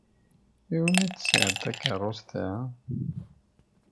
Umi d-tesɣiḍ takeṛṛust-a?